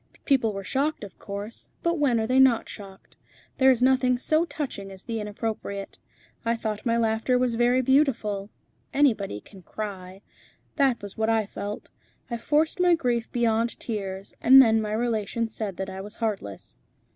People were shocked, of course, but when are they not shocked? There is nothing so touching as the inappropriate. I thought my laughter was very beautiful. Anybody can cry. That was what I felt. I forced my grief beyond tears, and then my relations said that I was heartless."